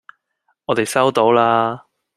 我哋收到啦